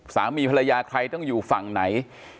สามีภรรยาใครต้องอยู่ฝั่งไหน